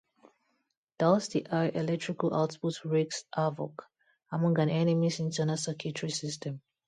Thus the high electrical output wreaks havoc among an enemy's internal circuitry system.